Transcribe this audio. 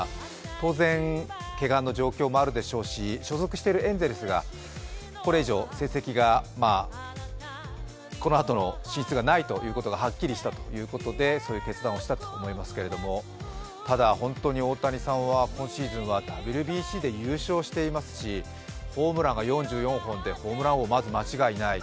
当然、けがの状況もあるでしょうし、所属しているエンゼルスがこれ以上、成績がこのあとがないということでそういう決断をしたと思いますけれどもただ、本当に大谷さんは今シーズンはＷＢＣで優勝していますし、ホームランが４４本でホームラン王、まず間違いない。